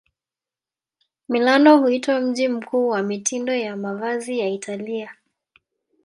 Milano huitwa mji mkuu wa mitindo ya mavazi ya Italia.